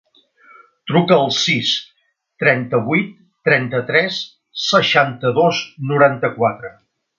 Truca al sis, trenta-vuit, trenta-tres, seixanta-dos, noranta-quatre.